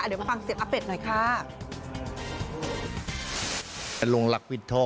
เดี๋ยวมาฟังเสียงอาเป็ดหน่อยค่ะ